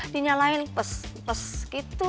dinyalain pes pes gitu